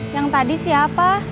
yang tadi siapa